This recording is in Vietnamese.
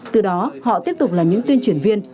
từ đó họ tiếp tục là những tuyên truyền viên